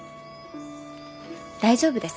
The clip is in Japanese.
大丈夫です。